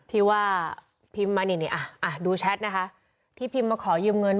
ที่ว่าพิมพ์มานี่นี่อ่ะดูแชทนะคะที่พิมพ์มาขอยืมเงิน